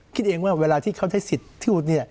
คิดเองว่าเวลาที่เขาได้สิทธิ์พูด